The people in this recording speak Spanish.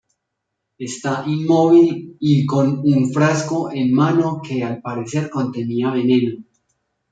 Está inmóvil y con un frasco en mano que al parecer contenía veneno.